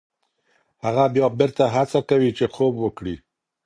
هغه بیا بېرته هڅه کوي چې خوب وکړي.